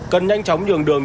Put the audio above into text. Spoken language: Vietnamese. cần nhanh chóng nhường đường